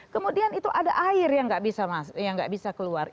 kemudian itu ada air yang nggak bisa keluar